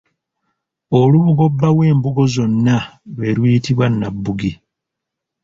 Olubugo bba w’embugo zonna lwe luyitibwa Nabugi.